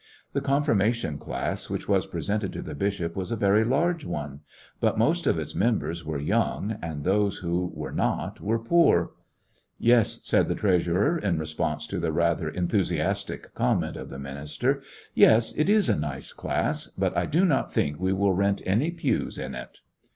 The confirmation class which was presented to the bishop was a very large one, but most 106 'jyiissionarY in tge Great West of its members were young, and those vrho were not were poor. "Yes," said the treasurer, in response to the rather enthusiastic com ment of the minister, "yes, it is a nice class, but I do not think we will rent any pews in it."